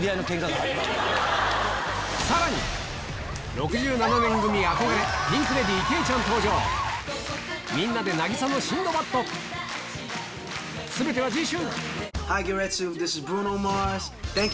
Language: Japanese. ６７年組憧れピンク・レディーケイちゃん登場みんなで『渚のシンドバッド』全ては次週！